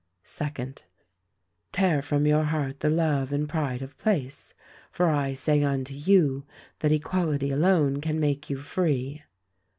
"Second : Tear from your heart the love and pride of place ; for I say unto you that Equality alone can make you free.